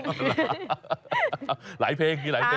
เปลี่ยนเพลงแล้ว